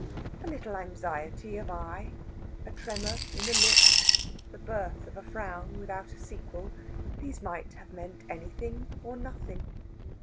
A little anxiety of eye, a tremor in the lip, the birth of a frown without a sequel these might have meant anything or nothing.